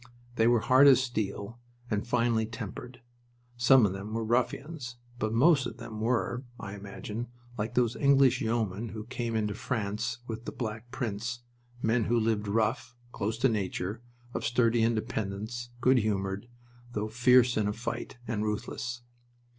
They were hard as steel, and finely tempered. Some of them were ruffians, but most of them were, I imagine, like those English yeomen who came into France with the Black Prince, men who lived "rough," close to nature, of sturdy independence, good humored, though fierce in a fight, and ruthless.